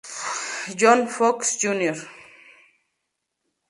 John Fox, Jr.